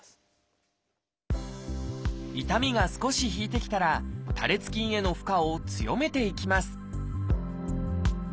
痛みが少し引いてきたら多裂筋への負荷を強めていきます